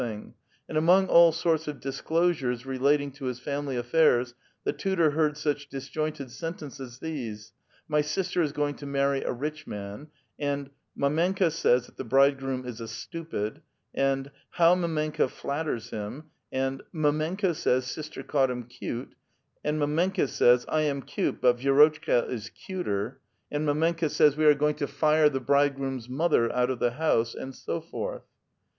thing ; and among all sorts of disclosures relating to his family affairs the tutor heard such disjointed sentences as these: " My sister is going to marry a rich man" ;'' and mdmenka says tiiat the bridegroom is a stupid ";'' and how mdmenka flatters him" ;" and mdmenka says, ' sister caught him cute' ";" and mdmenka says, ' I am cute, but Vi(5rotchka is cuter '";" and mdmenka says, ' we are going to fire the bridegroom's mother out of the house '"; and so forth.